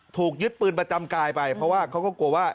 ถูกยึดปืนประจำกายไปเพราะว่าเขาก็กลัวว่า